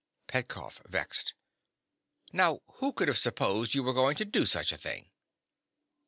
PETKOFF. (vexed). Now who could have supposed you were going to do such a thing?